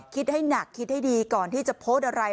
คิดให้หนักคิดให้ดีก่อนที่จะโพสต์อะไร